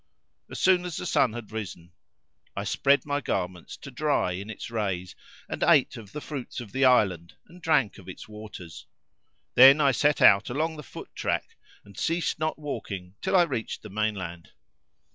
As soon as the sun had risen I spread my garments to dry in its rays; and ate of the fruits of the island and drank of its waters; then I set out along the foot track and ceased not walking till I reached the mainland.